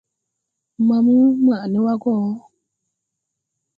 Maamu, maʼ ne wa go!